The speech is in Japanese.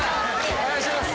お願いします。